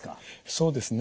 そうですね。